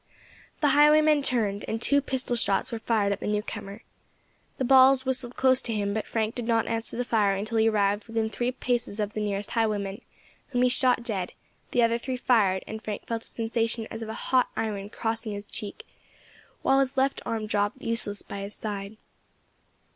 The highwaymen turned, and two pistol shots were fired at the new comer. The balls whistled close to him, but Frank did not answer the fire until he arrived within three paces of the nearest highwayman, whom he shot dead; the other three fired, and Frank felt a sensation as of a hot iron crossing his cheek, while his left arm dropped useless by his side.